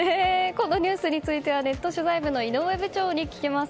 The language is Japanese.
このニュースについてはネット取材部の井上部長に聞きます。